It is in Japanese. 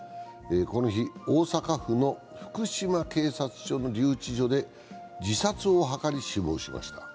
この日、大阪府の福島警察署の留置場で自殺を図り、死亡しました。